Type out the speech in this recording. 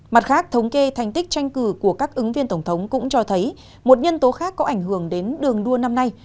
mặt khác thống kê thành tích tranh cử của các ứng viên tổng thống cũng cho thấy một nhân tố khác có ảnh hưởng đến đường đua năm nay